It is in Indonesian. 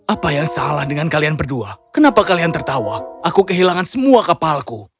apa yang salah dengan kalian berdua kenapa kalian tertawa aku kehilangan semua kapalku